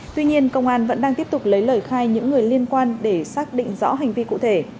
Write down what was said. tuy nhiên công an vẫn đang tiếp tục lấy lời khai những người liên quan để xác định rõ hành vi cụ thể